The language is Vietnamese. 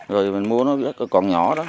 rồi mình mua nó còn nhỏ đó